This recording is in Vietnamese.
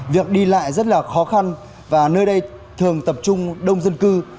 việc đi lại rất là khó khăn và nơi đây thường tập trung đông dân cư